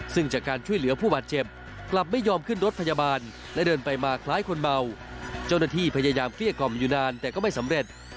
ซึ่งจากการช่วยเหลือผู้บาดเจ็บกลับไม่ยอมขึ้นรถพยาบาลและเดินไปมาคล้ายคนเมาเจ้าหน้าที่พยายามเกลี้ยกล่อมอยู่นานแต่ก็ไม่สำเร็จ